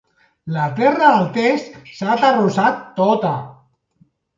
La terra del test s'ha aterrossat tota.